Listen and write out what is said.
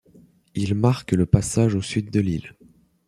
Il marque le passage au sud de l'île.